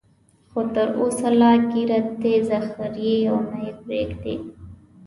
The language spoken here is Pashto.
خو تر اوسه لا ږیره تېزه خرېي او نه یې پریږدي.